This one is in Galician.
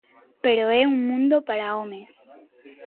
Pero é un mundo para homes.